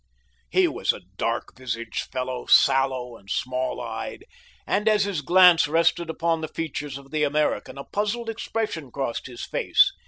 He was a dark visaged fellow, sallow and small eyed; and as his glance rested upon the features of the American a puzzled expression crossed his face.